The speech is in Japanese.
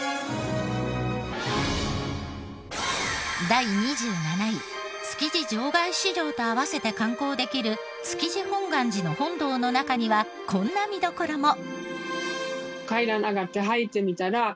第２７位築地場外市場と併せて観光できる築地本願寺の本堂の中にはこんな見どころも。